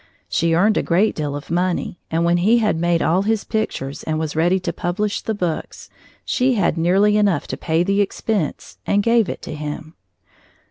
She earned a great deal of money, and when he had made all his pictures and was ready to publish the books, she had nearly enough to pay the expense, and gave it to him.